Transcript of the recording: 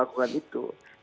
itu urusan divisi advokasi